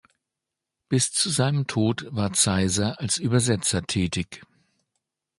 Bis zu seinem Tod war Zaisser als Übersetzer tätig.